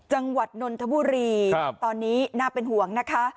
จังหวัดนวลธับบุรีตอนนี้น่าเป็นห่วงนะคะ